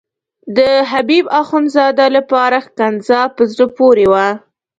د حبیب اخندزاده لپاره ښکنځا په زړه پورې وه.